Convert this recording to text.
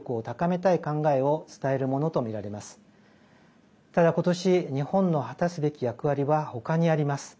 ただ今年日本の果たすべき役割は他にあります。